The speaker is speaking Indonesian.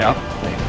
suara arabian tinggi